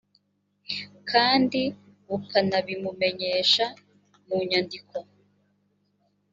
kandi bukanabimumenyesha mu nyandiko